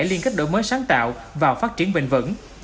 liên kết đổi mới sáng tạo vào phát triển bình vẩn